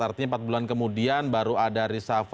artinya empat bulan kemudian baru ada reshuffle